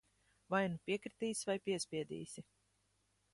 Vai nu piekritīs, vai piespiedīsi.